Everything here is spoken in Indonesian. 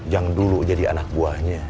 yang dulu jadi anak buahnya